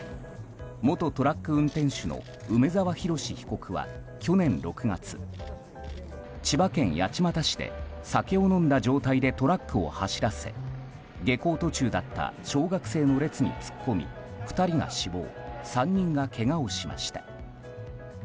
元トラック運転手の梅沢洋被告は去年６月千葉県八街市で酒を飲んだ状態でトラックを走らせ下校途中だった小学生の列に突っ込み２人が死亡３人がけがをしました。